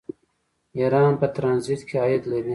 ایران په ټرانزیټ کې عاید لري.